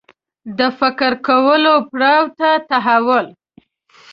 د فکر کولو پړاو ته تحول